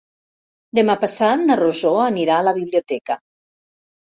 Demà passat na Rosó anirà a la biblioteca.